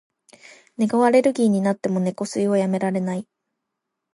猫アレルギーになっても、猫吸いをやめない。